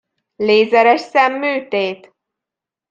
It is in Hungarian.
Lézeres szemműtét?